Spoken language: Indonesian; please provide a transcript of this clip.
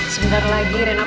sementara lagi rena pulang